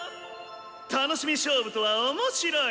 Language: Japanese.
楽しみ勝負とは面白い！